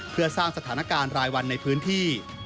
เพื่อสร้างสถานการณ์รายวันในพื้นที่